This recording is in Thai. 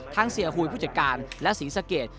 เสียหุยผู้จัดการและศรีสะเกด